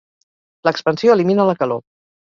L'expansió elimina la calor.